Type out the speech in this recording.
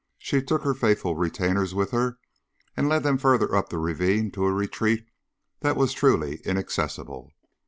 She took her faithful retainers with her and led them farther up the ravine to a retreat that was truly inaccessible.